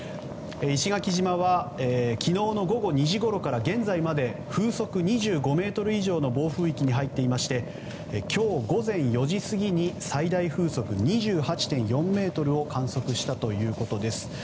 石垣島は昨日の午後２時ごろから現在まで風速２５メートル以上の暴風域に入っていまして今日午前４時過ぎに最大風速２８．４メートルを観測したということです。